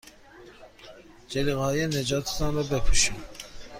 جلیقههای نجات تان را بپوشید.